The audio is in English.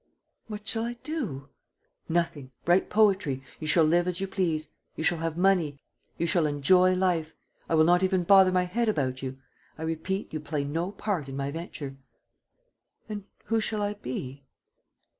"What shall I do?" "Nothing. Write poetry. You shall live as you please. You shall have money. You shall enjoy life. I will not even bother my head about you. I repeat, you play no part in my venture." "And who shall I be?"